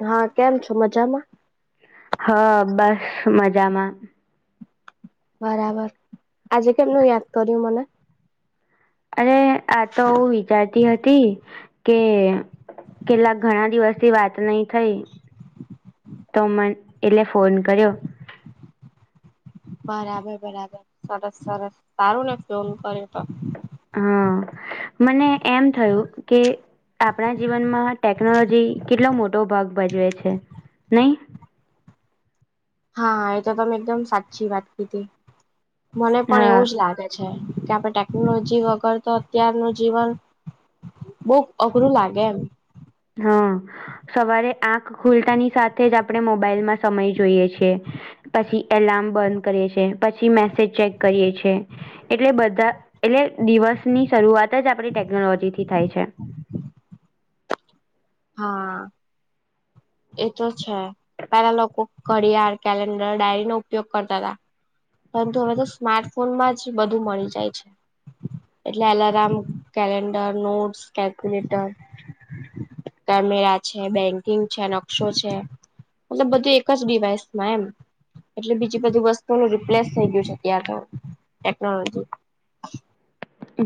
હા કેમ છો મજામાં. હ બસ મજામાં. બરાબર આજે કેમનું યાદ કર્યું મને. અરે આ તો હ વિચારતી હતી. કે કેટલા ઘણા દિવસથી વાત નહી થઈ. તો મને એટલે ફોન કર્યો. બરાબર બરાબર સરસ સરસ સારું ને ફોલ કર્યું તો. હા મને એમ થયું કે. આપણા જીવનમાં ટેકનોલોજી કેટલો મોટો ભાગ ભજવે છે નહી. હા એ તો તમે એકદમ સાચી વાત કીધી મને પણ હા એવું જ લાગે. કે આપણે ટેકનોલોજી વગર તો અત્યારનું જીવન. બહુ અઘરો લાગે એમ. હા સવારે આંખ ખુલતાની સાથે જ આપણે મોબાઈલમાં સમય જોઈએ છે. પછી એલાર્મ બંધ કરીએ છે પછી મેસેજ ચેક કરીએ છે. એટલે બધા એટલે દિવસની શરૂઆત જ આપડી ટેકનોલોજી થી થાય છે. હા. એ તો છે પેલા લોકો ઘરિયાર, કેલેન્ડર, ડાયરીનો ઉપયોગ કરતા હતા. પરંતુ હવે તો સ્માર્ટફોનમાં જ બધું મળી જાય છે. એટલે alarm, calendar, notes, calculator camera છે, બેંકિંગ છે, નકશો છે. મતલબ બધું એક જ ડિવાઈસમાં એમ એટલે બીજી બધી વસ્તુઓ. લેસ થઈ ગયું છે ત્યાં તો ટેકનોલોજી.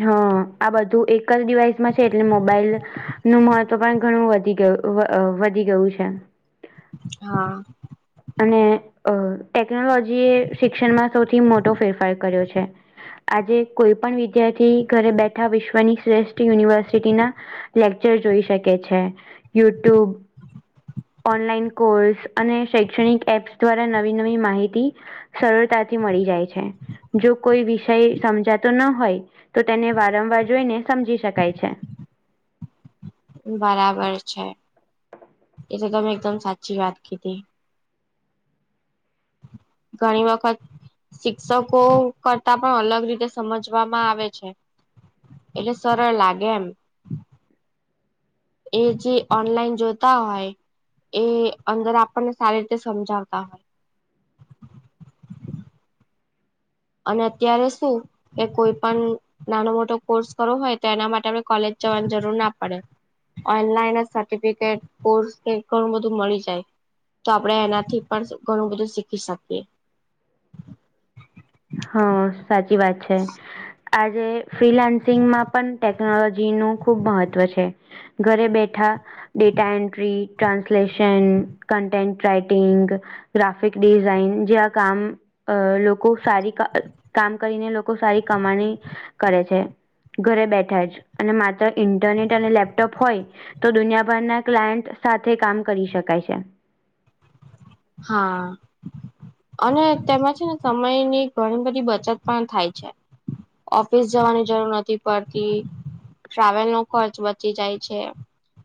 હા આ બધું એક જ ડિવાઈસમાં છે એટલે મોબાઈલ. નું મહત્વ પણ ઘણું વધી ગયું વધી ગયું છે. હા. અને ટેકનોલોજી એ શિક્ષણમાં સૌથી મોટો ફેરફાર કર્યો છે. આજે કોઈ પણ વિદ્યાર્થી ઘરે બેઠા વિશ્વની શ્રેષ્ઠ યુનિવર્સિટીના લેક્ચર જોઈ શકે છે યુટ્યુબ. ઓનલાઈન કોર્સ અને શૈક્ષણિક એપ્સ દ્વારા નવી નવી માહિતી. સરળતાથી મળી જાય છે. જો કોઈ વિષય સમજાતો ન હોય તો તેને વારંવાર જોઈને સમજી શકાય છે. બરાબર છે. એટે ગમેં એકદમ સાચી વાત કીધી. ઘણી વખત. શિક્ષકો કરતા પણ અલગ રીતે સમજવામાં આવે છે. એટલે સરળ લાગે એમ. એ જે ઓનલાઈન જોતા હોય. એ અંદર આપણને સારી રીતે સમજાવતા હોય. અને અત્યારે શું. કે કોઈ પણ નાનો મોટો કોર્સ કરવો હોય તો એના માટે આપણે કોલેજ જવાની જરૂર ના પડે. ઓનલાઈન સર્ટિફિકેટ કોર્સ ઘણું બધું મળી જાય. તો આપણે એનાથી પણ ઘણું બધું શીખી શકીએ. હા સાચી વાત છે. આજે ફ્રીલાન્સિંગમાં પણ ટેકનોલોજી નું ખુબ મહત્વ છે. ઘરે બેઠા. Data entry translation, content writing graphic design જે આ કામ અ લોકો સારી. ક- કામ કરીને લોકો‌ લોકો સારી કમાણી કરે છે. ઘરે બેઠા છે અને માત્ર ઇન્ટરનેટ અને લેપટોપ હોય. તો દુનિયાભરના ક્લાયન્ટ સાથે કામ કરી શકાય છે. હા. અને તેમાં છે ને સમયની ઘણી બધી બચત પણ થાય છે. ઓફિસ જવાની જરૂર નથી પડતી ટ્રાવેલ નો ખર્ચ બચી જાય છે.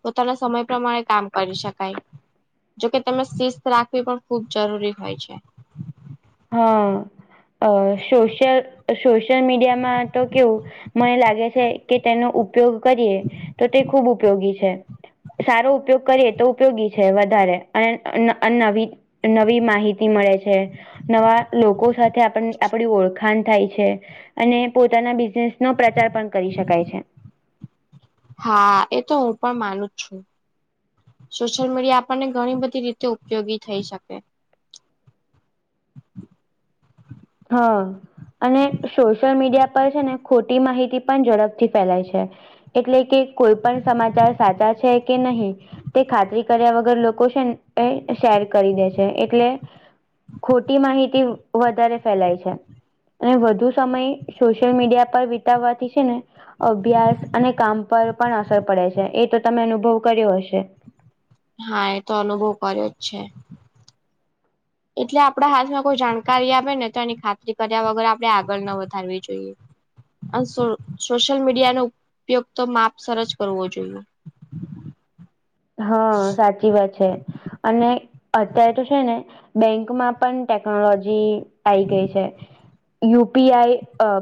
પોતાના સમય પ્રમાણે કામ કરી શકાય. જોકે તમે શિસ્ત રાખવી પણ ખૂબ જરૂરી હોય છે. હા સોશિયલ સોશિયલ મીડિયામાં તો કેવું. મને લાગે છે કે તેનો ઉપયોગ કરીએ તો તે ખૂબ ઉપયોગી છે. સારો ઉપયોગ કરીએ તો ઉપયોગી છે વધારે અન અનેનવી. નવી માહિતી મળે છે. નવા લોકો સાથે આપ આપણી ઓળખાણ થાય છે. અને પોતાના બિઝનેસ નો પ્રચાર પણ કરી શકાય છે. હા એ તો હું પણ માનું જ છું. સોશિયલ મીડિયા આપણને ઘણી બધી રીતે ઉપયોગી થઈ શકે. હા. અને સોશિયલ મીડિયા પર છે ને ખોટી માહિતી પણ ઝડપથી ફેલાય છે. એટલે કે કોઈ પણ સમાચાર સાચા છે કે નહી. તે ખાતરી કર્યા વગર લોકો છે શેર કરી દે છે એટલે. ખોટી માહિતી વધારે ફેલાય છે. અને વધુ સમય સોશિયલ મીડિયા પર વિતાવવાથી છે ને. અભ્યાસ અને કામ પર પણ અસર પડે છે એ તો તમે અનુભવ કર્યો હશે. હા એ તો અનુભવ કર્યો જ છે. એટલે આપણા હાથમાં કોઈ જાણકારી આપે ને તો એની ખાતરી કર્યા વગર આપણે આગળ ન વધારવી જોઈએ. સોશિયલ મીડિયાનોો ઉપયોગ તો માપ સર જ કરવો જોઈએ હા સાચી વાત છે, અને અત્યારે તો છે, ને. બેંકમાં પણ ટેકનોલોજી આઈ ગઈ છે, યુપીઆઈ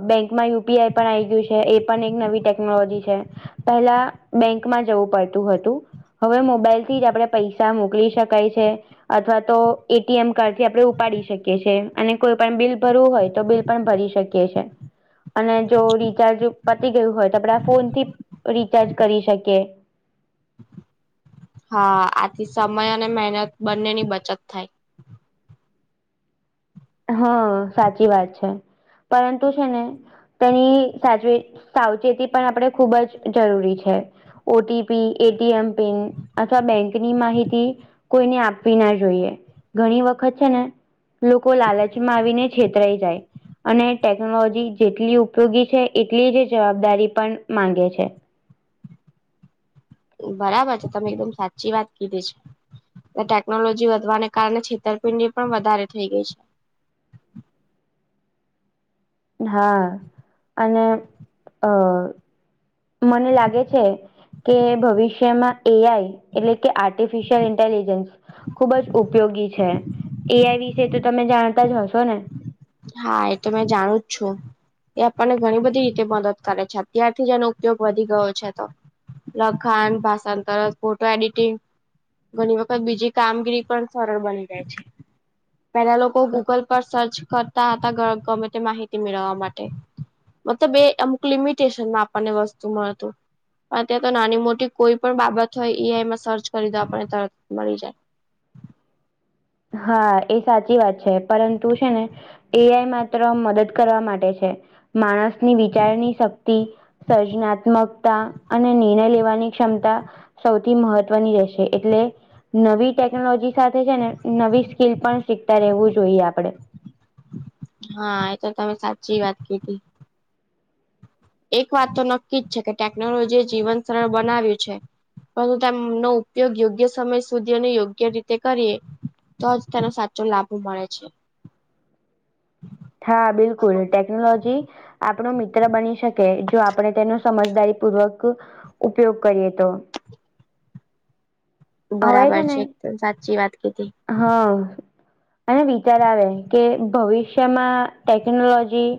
બેંકમાં યુપીઆઈ પણ આવી ગયું છે, એ પણ એક નવી ટેકનોલોજી છે. પહેલા બેંકમાં જવું પડતું હતું, હવે મોબાઈલ થી જ આપણે પૈસા મોકલી શકાય છે. અથવા તો એટીએમ કાર્ડ થી આપણે ઉપાડી શકીએ છીએ, અને કોઈ પણ બિલ. ભરવું હોય તો બિલ પણ ભરી શકીએ છે. અને જો રિચાર્જ પતી ગયું હોય, તો આપડા ફોન થી રિચાર્જ કરી શકીએ. હા આથી સમય અને મહેનત બંનેની બચત થાય. હા સાચી વાત છે, પરંતુ છે, ને તેની સાચ સાવચેતી પણ આપણે ખૂબ જ જરૂરી છે. ઓટીપી એટીએમ પિન અથવા બેંકની માહિતી, કોઈને આપવી ના જોઈએ ઘણી વખત છે, ને લોકો લાલચમાં આવીને છેતરાઈ જાય, અને ટેકનોલોજી જેટલી ઉપયોગી છે, એટલી જ જવાબદારી પણ માંગે છે. બરાબર છે, તમે એકદમ સાચી વાત કીધી છે. ટેકનોલોજી વધવાને કારણે છેતરપિંડી પણ વધારે થઇ ગઈ છે. હા અને અને મને લાગે છે, કે ભવિષ્યમાં એ આઈ એટલે કે આર્ટિફિશયલ ઇન્ટેલિજન્સ, ખુબ જ ઉપયોગી છે, એઆઈ વિશે તો તમે જાણતા જ હશો ને હા એ તો મેં જાણું જ છું, એ આપણને ઘણી બધી રીતે મદદ કરે છે, અત્યારથી જ એનો ઉપયોગ વધી ગયો છે, તો લખાન ભાષાંતર ફોટો એડિટિંગ ઘણી વખત બીજી કામગીરી પણ સરળ બની જાય છે, પેલા લોકો ગૂગલ પર સર્ચ કરતા હતા, ગમે તે માહિતી મેળવવા માટે. મતલબ એ અમુક લિમિટેશનમાં આપણને વસ્તુ મળતું, ત્યાં તો નાની મોટી કોઈ પણ બાબત હોય ઈ આઈમાં સર્ચ કરી દો આપણને તરત મળી જાય. હા એ સાચી વાત છે, પરંતુ છે, ને એ, આઈ માત્ર મદદ કરવા માટે છે, માણસની વિચારની શક્તિ સર્જનાત્મકતા અને નિર્ણય લેવાની ક્ષમતા સૌથી મહત્વની રહેશે એટલે નવી ટેકનોલોજી, સાથે છે, ને નવી સ્કીલ પણ શીખતા રહેવું જોઈએ, આપડે હા એ તો તમે સાચી વાત કીધી. એક વાત તો નક્કી જ છે, કે ટેકનોલોજી એ જીવન સરળ બનાવ્યું છે. પરંતુ તેમનો ઉપયોગ યોગ્ય સમય સુધી અને યોગ્ય રીતે કરીએ. તો જ તેનો સાચો લાભો મળે છે. હા, બિલકુલ ટેકનોલોજી. આપણો મિત્ર બની શકે જો આપણે તેનો સમજદારી પૂર્વક ઉપયોગ કરીએ તો, હવે બરાબર ને છે, એકદમ સાચી વાત કીધી. હા, અને વિચાર આવે કે ભવિષ્યમાં ટેકનોલોજી,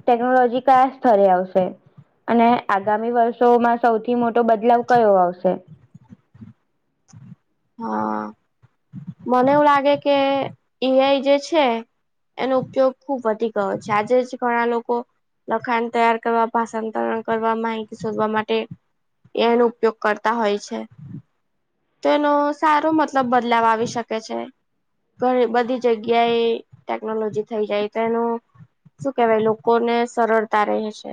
ટેકનોલોજી કયા સ્થરે આવશે અને આગામી વર્ષ શોમાં સૌથી મોટો બદલાવ કયો આવશે, હા મને એવું લાગે કે ઈઆ જે છે, એનો ઉપયોગ ખૂબ વધી ગયો છે, આજે જ ઘણા લોકો લખાણ તૈયાર કરવા ભાષાંતરણ કરવા માહિતી શોધવા માટે. એનો ઉપયોગ કરતા હોય છે, ન સારો મતલબ બદલાવ આવી શકે છે, ઘણી બધી જગ્યાએ ટેકનોલોજી થઈ જાય તો એનું શું કેવાય લોકોને સરળતા રહે છે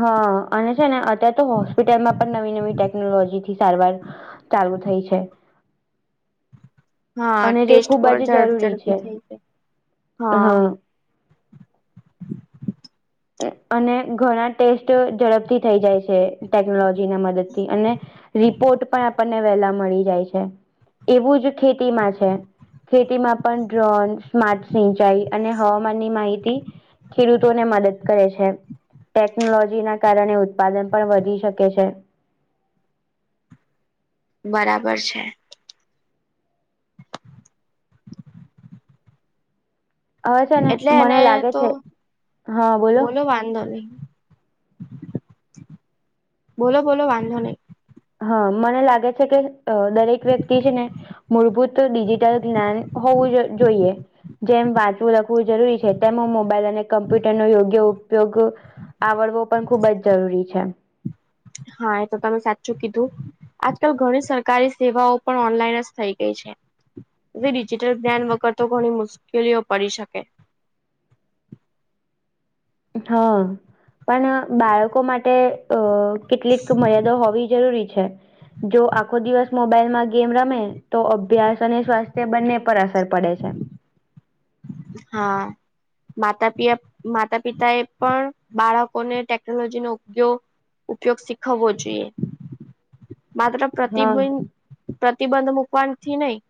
હા અને છે ને અત્યારે તો હોસ્પિટલમાં પણ નવી નવી ટેકનોલોજી થી સારવાર ચાલુ થઈ છે હા અને જે ટેસ્ટ ખૂબ જ પણ ઝડ જરૂરી છે ઝડપી થઈ જાય હા અને ઘણા ટેસ્ટ ઝડપથી થઇ જાય છે ટેકનોલોજી ના મદદથી અને રિપોર્ટ પણ આપણને વેલા મળ જાય છે એવું જ ખેતીમાં છે ખેતીમાં પણ ડ્રોન સ્માર્ટ સિંચાઈ અને હવામાનની માહિતી ખેડૂતોને મદદ કરે છે ટેકનોલોજી ના કારણે ઉત્પાદન પણ વધી શકે છે બરાબર છે હવે છે ને એટલે એને મને લાગે તો છે બોલો વાંધો નહી બોલો બોલો વાંધો નહી હા મને લાગે છે કે દરેક વ્યક્તિ છે ને મૂળભૂત ડિજિટલ જ્ઞાન હોવું જોઈએ જેમ વાંચવું લખવું જરૂરી છે તેમ હ મોબાઈલ અને કમ્પ્યુટર નો યોગ્ય ઉપયોગ આવડવો પણ ખુબ જ જરૂરી છે હા એ તો તમે સાચું કીધું આજકાલ ઘણી સરકારી સેવાઓ પણ ઓનલાઈન જ થઈ ગઈ છે પી ડિજિટલ ધ્્યાન વગર તો ઘણી મુશ્કેલીઓ પડી શકે હા પણ બાળકો માટે અ કેટલીક મર્યાદો હોવી જરૂરી છે જો આખો દિવસ મોબાઈલમાં ગેમ રમે તો અભ્યાસ અને સ્વાસ્થ્ય બંને પર અસર પડે છે હા માતા પ માતા પિતા એ પણ બાળકોને ટેકનોલોજીનોો ઉપયોગ ઉપયોગ શીખવવો જોઈએ માત્ર પ્રતિબિ હા પ્રતિબંધ મૂકવાથી નહી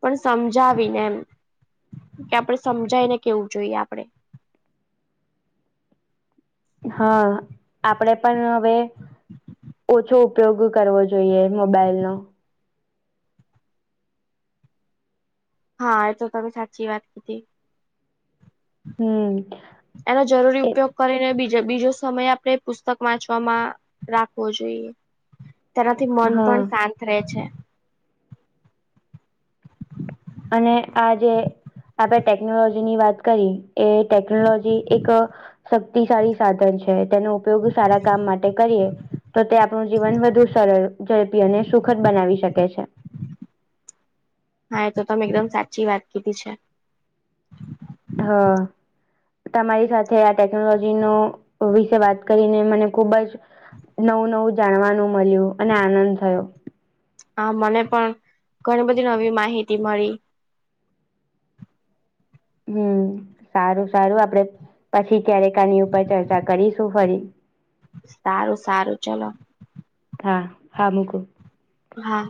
પણ સમજાવીને એમ કે આપડે સમજાય ને કેવું જોઈએ આપડે હા આપડે પણ હવે ઓછો ઉપયોગ કરવો જોઈએ મોબાઈલ નો હા એ તો તમે સાચી વાત કી હતી હમ એનો જરૂરી એ ઉપયોગ કરીને બીજ બીજો સમય આપણે પુસ્તક વાંચવામાં રાખવો જોઈએ [inaudible] તેનાથી મન હા પણ શાંત રહે છે અને આ જે આપડણે ટેકનોલોજી ની વાત કરી એ ટેકનોલોજી એક શક્તિશાળી સાધન છે તેનો ઉપયોગ સારા કામ માટે કરીએ તો તે આપણું જીવન વધુ સરળ ઝડપી અને સુખદ બનાવી શકે છે હા એ તો તમે એકદમ સાચી વાત કીધી છે હા તમારી સાથે આ ટેકનોલોજી નો વિશે વાત કરીને મને ખુબ જ નવું નવું જાણવાનું મળ્યું અને આનંદ થયો હા મને પણ ઘણી બધી નવી માહિતી મળી હમ સારું સારું આપડે પછી ક્યારેક આની ઉપર ચર્ચા કરીશું ફરી સારું સારું ચલોો હા હા મકોો હા